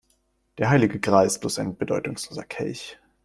Der heilige Gral ist bloß ein bedeutungsloser Kelch.